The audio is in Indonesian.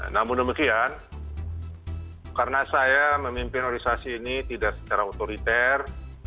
namun demikian karena saya memimpin organisasi ini tidak secara otoriter